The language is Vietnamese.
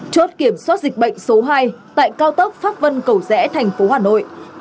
chốt kiểm soát dịch bệnh số hai tại cao tốc pháp vân cầu rẽ thành phố hà nội